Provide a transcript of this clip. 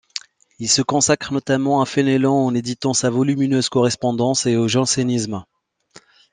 Il se consacre notamment à Fénelon en éditant sa volumineuse correspondance et au jansénisme.